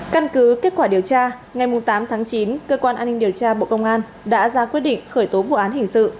căn cứ kết quả điều tra ngày tám tháng chín cơ quan anh điều tra bộ công an đã ra quy định khởi tố vụ án hình sự